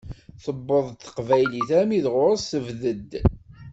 Tewweḍ teqbaylit armi d ɣur-s, tebded.